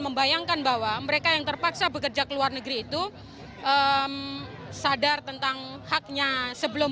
membayangkan bahwa mereka yang terpaksa bekerja ke luar negeri itu sadar tentang haknya sebelum